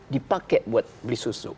dipakai buat beli susu